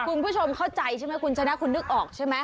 คุณผู้ชมเข้าใจใช่มั้ยคุณฉะนั้นคุณนึกออกใช่มั้ย